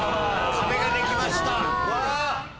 壁ができました。